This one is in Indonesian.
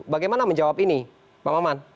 bagaimana menjawab ini pak maman